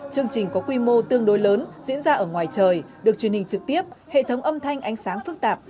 chương trình có quy mô tương đối lớn diễn ra ở ngoài trời được truyền hình trực tiếp hệ thống âm thanh ánh sáng phức tạp